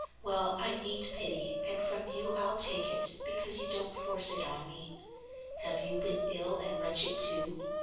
Well, I need pity, and from you I'll take it, because you don't force it on me. Have you been ill and wretched too?